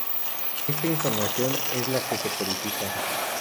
Esta información es la que se codifica.